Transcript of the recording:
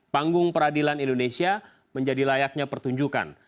panggung peradilan indonesia menjadi layaknya pertunjukan